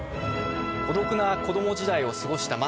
孤独な子供時代を過ごしたマスク。